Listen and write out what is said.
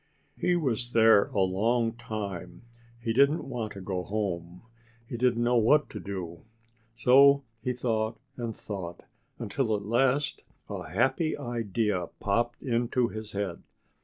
He there a long time. He didn't want to go home. He didn't know what to do. So he thought and thought; until at last a happy idea popped into his head.